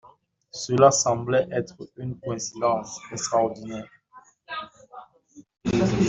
Cela semblait être une coïncidence extraordinaire.